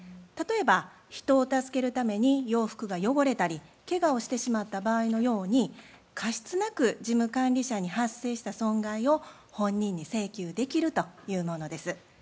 例えば人を助けるために洋服が汚れたりケガをしてしまった場合のように過失なく事務管理者に発生した損害を本人に請求できるというものです。